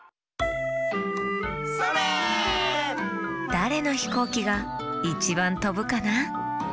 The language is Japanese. だれのひこうきがいちばんとぶかな？